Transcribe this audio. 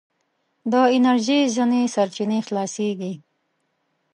د انرژي ځينې سرچينې خلاصیږي.